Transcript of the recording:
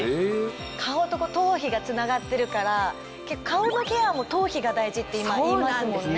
顔と頭皮がつながってるから顔のケアも頭皮が大事って今いいますもんね。